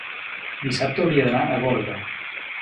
Dissabte hauria d'anar a Gorga.